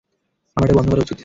আমার এটা বন্ধ করা উচিত?